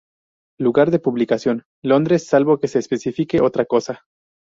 Lugar de publicación: Londres, salvo que se especifique otra cosa.